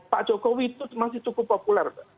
pak jokowi itu masih cukup populer